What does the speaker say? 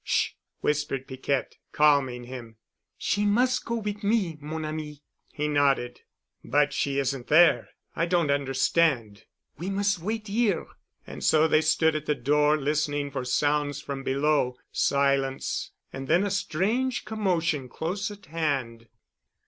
"Sh——," whispered Piquette, calming him. "She mus' go wit' me, mon ami." He nodded. "But she isn't there. I don't understand." "We mus' wait 'ere." And so they stood at the door, listening for sounds from below. Silence. And then a strange commotion close at hand.